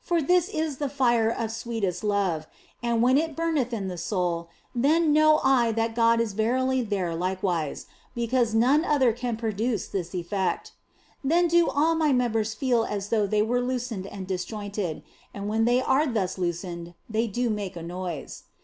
For this is the fire of 226 THE BLESSED ANGELA sweetest love, and when it burneth in the soul, then know I that God is verily there likewise, because none other can produce this effect. Then do all my members feel as though they were loosened and disjointed, and when they are thus loosened they do make a noise.